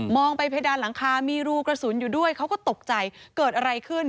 ไปเพดานหลังคามีรูกระสุนอยู่ด้วยเขาก็ตกใจเกิดอะไรขึ้น